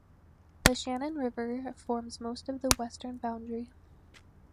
The Shannon River forms most of the western boundary.